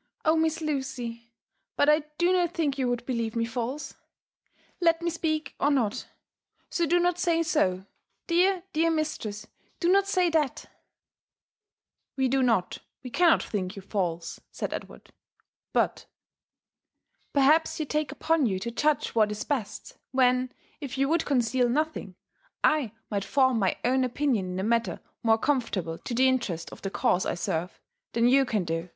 " Oh 1 Miss Lucy— But I do not think you would believe me false, let me speak or not ; so do not say so nlear, dear mistress, do not say that !" ''We do not, we cannot think you false," said Edward; ''but 7G LIFE AND ADVENTURES OF perhaps you take upon you to jadge what is best, when, if you would conceal nothing, I might form my own opinion in a manner moire conformable to the interest of the cause I serve, than you can do.